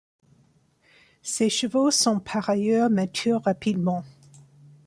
Ces chevaux sont par ailleurs matures rapidement.